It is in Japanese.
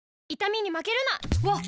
わっ！